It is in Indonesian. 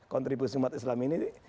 kontribusi umat islam ini